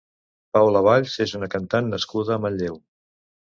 Paula Valls és una cantant nascuda a Manlleu.